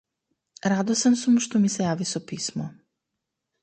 Радосен сум што ми се јави со писмо.